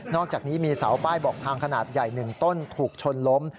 อกจากนี้มีเสาป้ายบอกทางขนาดใหญ่๑ต้นถูกชนล้ม